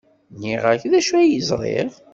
Nniɣ-ak d acu ay ẓriɣ.